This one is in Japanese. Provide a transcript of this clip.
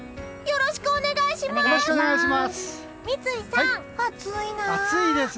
よろしくお願いします！